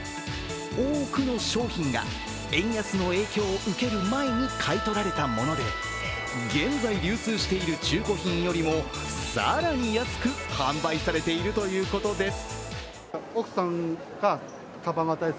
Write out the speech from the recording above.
多くの商品が円安の影響を受ける前に買い取られたもので現在流通している中古品よりも更に安く販売されているということです。